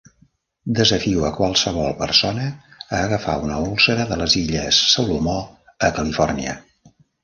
Desafio a qualsevol persona a agafar una úlcera de les illes Salomó a Califòrnia.